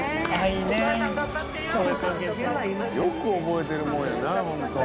よく覚えてるもんやなホント。